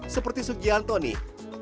seperti sugianto nih